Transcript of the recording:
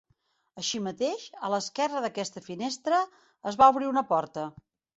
Així mateix, a l'esquerra d'aquesta finestra, es va obrir una porta.